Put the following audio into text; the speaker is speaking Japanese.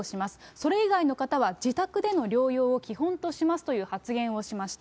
それ以外の方は、自宅での療養を基本としますという発言をしました。